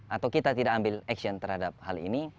atau kita tidak ambil action terhadap hal ini